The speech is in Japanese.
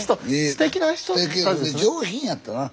すてきだし上品やったな。